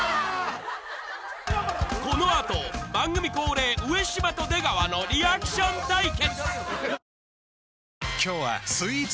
［この後番組恒例上島と出川のリアクション対決！］